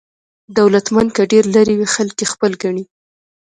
دولتمند که ډېر لرې وي، خلک یې خپل ګڼي.